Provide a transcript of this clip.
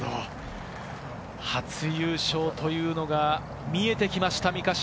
初優勝というのが見えてきました、三ヶ島。